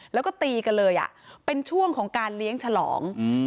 แล้วก็ตีกันเลยเป็นช่วงของการเลี้ยงฉลอง